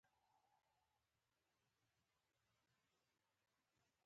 زه د خپلو عادتونو بدلولو لپاره نه یم.